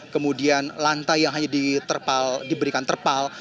kemudian lantai yang hanya diberikan terpal